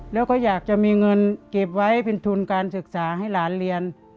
แล้วก็อยากจะมีเงินเก็บไว้เป็นทุนการศึกษาให้หลานเรียน